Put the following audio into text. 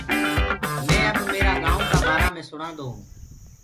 مي اب ميرآ گائونٚ ڪآ بآرآ مي سُڻادو هونٚ۔